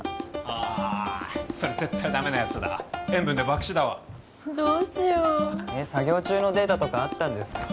あそれ絶対ダメなやつだ塩分で爆死だわどうしよう作業中のデータとかあったんですか？